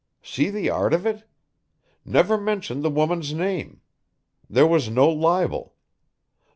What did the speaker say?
See the art of it? Never mentioned the woman's name. There was no libel.